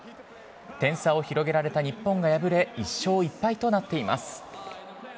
点差を広げられた日本が敗れ、１勝１敗となっています。